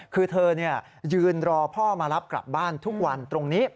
คือเธอยืนรอพ่อมารับกลับบ้านทุกวันตรงนี้